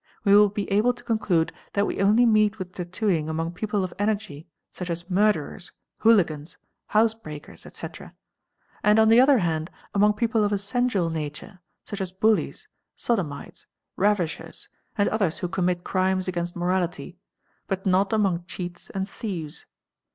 We will be able to conclude that we only meet with tattooing : among people of energy such as murderers, hooligans, house breakers, = AJ i , etc., and on the other hand among people of a sensual nature such as bullies, sodomites, ravishers, and others who commit crimes against : morality, but not among cheats and thieves.